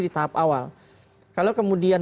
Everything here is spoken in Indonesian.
di tahap awal kalau kemudian